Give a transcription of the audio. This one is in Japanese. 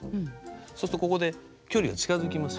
そうするとここで距離が近づきます。